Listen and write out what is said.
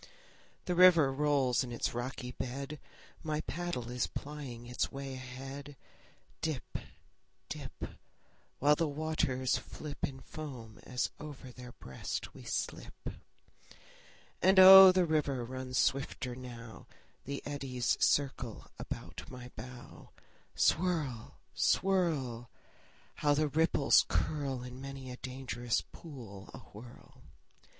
The river rolls in its rocky bed; My paddle is plying its way ahead; Dip, dip, While the waters flip In foam as over their breast we slip. And oh, the river runs swifter now; The eddies circle about my bow. Swirl, swirl! How the ripples curl In many a dangerous pool awhirl!